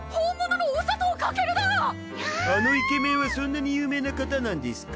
あのイケメンはそんなに有名な方なんですか？